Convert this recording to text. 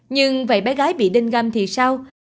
nhưng vậy bé gái bị đinh găm thì sao